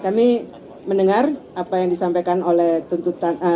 kami mendengar apa yang disampaikan oleh tuntutan